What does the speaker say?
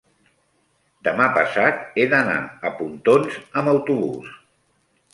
demà passat he d'anar a Pontons amb autobús.